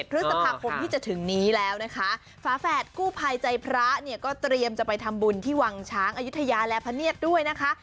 พฤษภาคมที่จะถึงนี้แล้วนะคะฝาแฝดกู้ภัยใจพระเนี่ยก็เตรียมจะไปทำบุญที่วังช้างอายุทยาและพะเนียดด้วยนะคะ